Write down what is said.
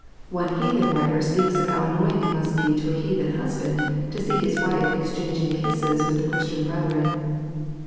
One heathen writer speaks of how annoying it must be to a heathen husband to see his wife exchanging kisses with the Christian brethren.